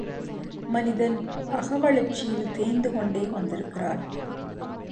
மனிதன் அகவளர்ச்சியில் தேய்ந்து கொண்டே வந்திருக்கிறான்.